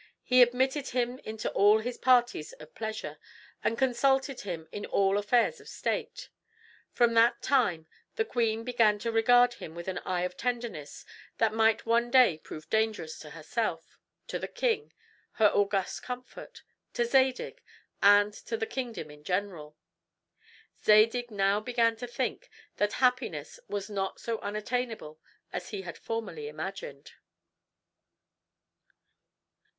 He admitted him into all his parties of pleasure, and consulted him in all affairs of state. From that time the queen began to regard him with an eye of tenderness that might one day prove dangerous to herself, to the king, her august comfort, to Zadig, and to the kingdom in general. Zadig now began to think that happiness was not so unattainable as he had formerly imagined.